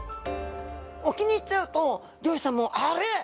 沖に行っちゃうと漁師さんも「あれっ？